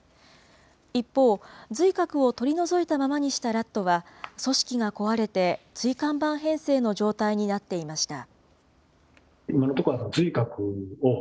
一方、髄核を取り除いたままにしたラットは、組織が壊れて、椎間板変性の状態になっていました。